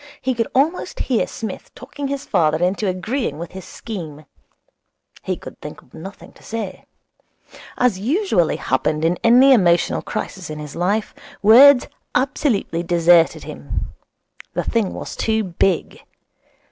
He could almost hear Psmith talking his father into agreeing with his scheme. He could think of nothing to say. As usually happened in any emotional crisis in his life, words absolutely deserted him. The thing was too big.